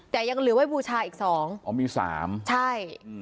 แต่ยังเหลือไว้บูชาอีกสองอ๋อมีสามใช่อืม